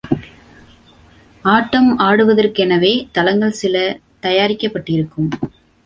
ஆட்டம் ஆடுவதற்கெனவே தளங்கள் சில தயாரிக்கப்பட்டிருக்கும்.